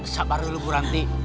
sabar dulu buranti